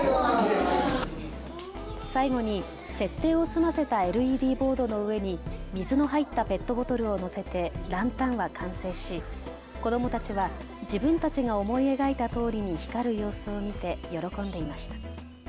最後に設定を済ませたＬＥＤボードの上に水の入ったペットボトルを乗せてランタンは完成し子どもたちは自分たちが思い描いたとおりに光る様子を見て喜んでいました。